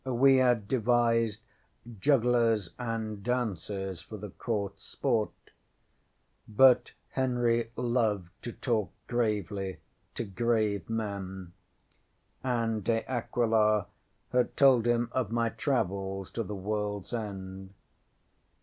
We had devised jugglers and dances for the CourtŌĆÖs sport; but Henry loved to talk gravely to grave men, and De Aquila had told him of my travels to the worldŌĆÖs end.